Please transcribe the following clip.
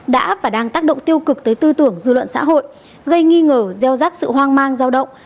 đã và đang tác động tiêu cực tới tư tưởng dư luận xã hội gây nghi ngờ gieo rắc sự hoang mang giao động